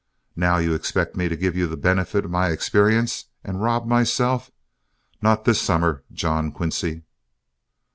Now you expect me to give you the benefit of my experience and rob myself. Not this summer, John Quincy."